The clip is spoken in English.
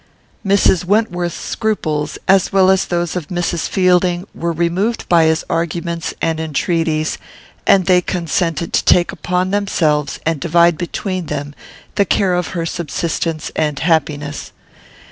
Mrs. Wentworth's scruples, as well as those of Mrs. Fielding, were removed by his arguments and entreaties, and they consented to take upon themselves, and divide between them, the care of her subsistence and happiness.